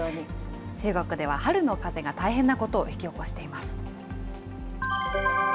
中国では春の風が大変なことを引き起こしています。